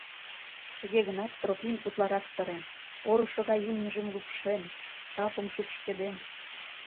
Туге гынат Тропим утларак сырен, орышо гай имньыжым лупшен, сапым шупшкеден.